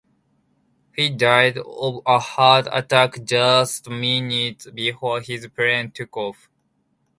He died of a heart attack just minutes before his plane took off.